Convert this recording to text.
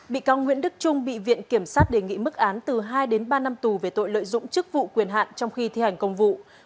bị cáo nguyễn đức trung bị viện kiểm sát đề nghị mức án từ hai đến ba năm tù về tội lợi dụng chức vụ quyền hạn trong khi thi hành công vụ